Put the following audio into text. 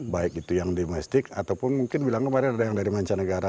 baik itu yang domestik ataupun mungkin bilang kemarin ada yang dari mancanegara